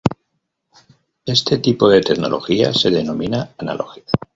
Este tipo de tecnología se denomina analógica.